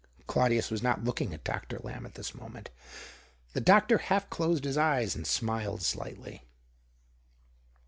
Claudius was not looking at Dr. Lamb at this moment ; the doctor half closed his eyes, and smiled slightly.